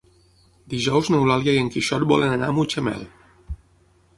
Dijous n'Eulàlia i en Quixot volen anar a Mutxamel.